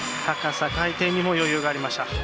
高さ、回転にも余裕がありました。